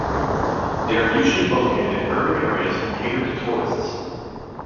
They are usually located in urban areas and cater to tourists.